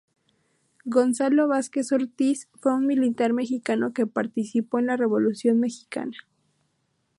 Gonzalo Vázquez Ortiz fue un militar mexicano que participó en la Revolución mexicana.